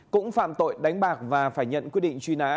cũng phạm tội đánh bạc và phải nhận quyết định truy nã